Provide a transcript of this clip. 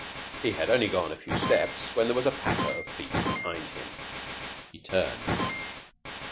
He had only gone a few steps, when there was a patter of feet behind him. He turned.